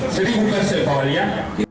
jadi bukan sepawalian